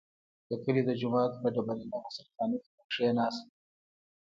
د کلي د جومات په ډبرینه غسل خانه کې به کښېناست.